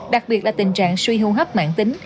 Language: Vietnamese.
đặc biệt là tình trạng suy hô hấp mạng tính